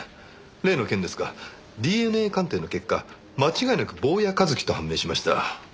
例の件ですがＤＮＡ鑑定の結果間違いなく坊谷一樹と判明しました。